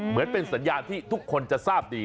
เหมือนเป็นสัญญาณที่ทุกคนจะทราบดี